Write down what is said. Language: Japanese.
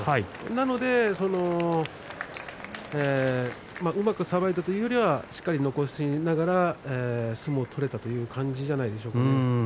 なのでうまくさばいたというよりはしっかり残しながら相撲を取れたという感じじゃないでしょうか。